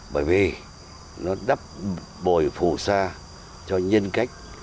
bởi vì nó đắp bồi phủ xa cho nhân cách